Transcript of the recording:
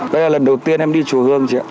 đây là lần đầu tiên em đi chùa hương chị ạ